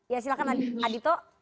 ya silahkan adito